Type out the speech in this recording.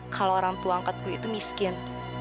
kalau orang tua angkat gue itu miskin